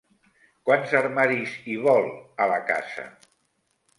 Quants armaris hi vol, a la casa?